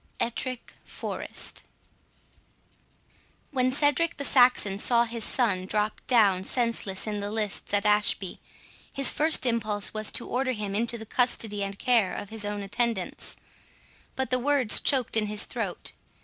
ETTRICK FOREST When Cedric the Saxon saw his son drop down senseless in the lists at Ashby, his first impulse was to order him into the custody and care of his own attendants, but the words choked in his throat.